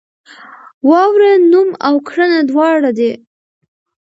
واوره نوم او کړنه دواړه دي.